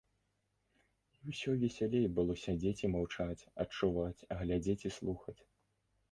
І ўсё весялей было сядзець і маўчаць, адчуваць, глядзець і слухаць.